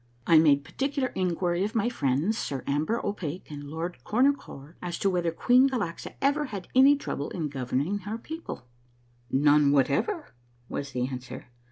I made particular inquiry of my friends. Sir Amber O'Pake 66 A MARVELLOUS UNDERGROUND JOURNEY and Lord Cornucore, as to whether Queen Galaxa ever had any trouble in governing her people. " None whatever," was the answer.